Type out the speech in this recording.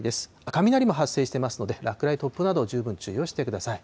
雷も発生してますので、落雷、突風など十分注意をしてください。